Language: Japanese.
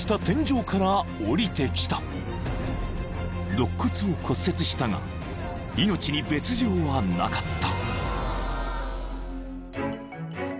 ［肋骨を骨折したが命に別条はなかった］